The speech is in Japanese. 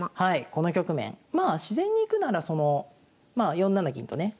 この局面まあ自然にいくならそのまあ４七銀とね